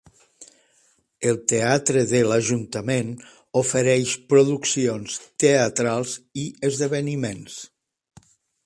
El teatre de l'Ajuntament ofereix produccions teatrals i esdeveniments.